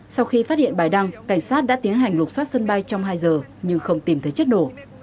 sau khi phát hiện bài đăng cảnh sát đã tiến hành lục xoát sân bay trong hai giờ nhưng không tìm thấy chất nổ